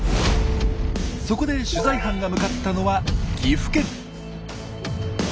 そこで取材班が向かったのは岐阜県。